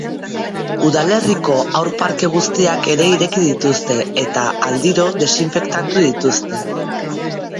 Udalerriko haur parke guztiak ere ireki dituzte, eta aldiro desinfektatuko dituzte.